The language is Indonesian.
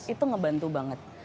itu ngebantu banget